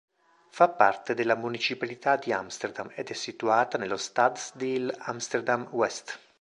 Fa parte della municipalità di Amsterdam ed è situata nello stadsdeel Amsterdam-West.